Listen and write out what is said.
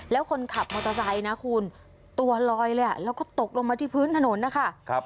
แล้วคนขับมอเตอร์ไซค์นะคุณตัวลอยเลยแล้วก็ตกลงมาที่พื้นถนนนะคะ